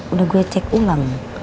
udah gue cek ulang